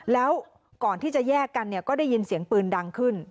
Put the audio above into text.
แล้วก่อนที่จะแยกกันเนี่ยก็ได้ยินเสียงปืนดังขึ้น